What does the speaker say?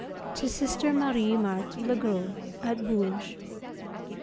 XLII. _To Sister Marie Marthe Legros, at Bourges.